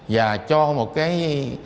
và cho một cái